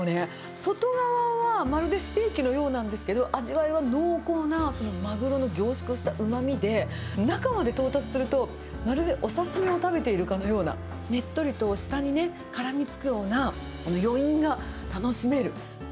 外側はまるでステーキのようなんですけど、味わいは濃厚なマグロの凝縮したうまみで、中まで到達するとまるでお刺身を食べているかのような、ねっとりと舌に絡みつくような、余韻が楽しめる。